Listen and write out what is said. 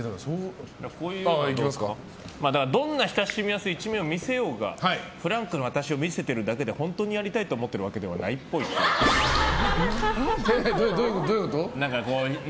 どんな親しみやすい一面を見せようがフランクな私を見せてるだけで本当にやりたいとどういうこと？